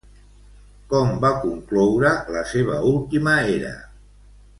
Com va concloure la seva última era?